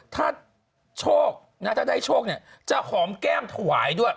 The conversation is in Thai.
ถ้าได้โชคจะหอมแก้มถวายด้วย